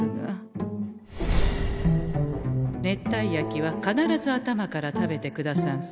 熱帯焼きは必ず頭から食べてくださんせ。